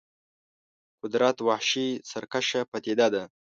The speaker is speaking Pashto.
قدرت وحشي سرکشه پدیده ده.